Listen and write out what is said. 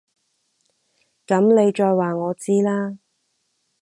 噉你再話我知啦